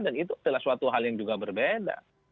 dan itu adalah suatu hal yang juga berbeda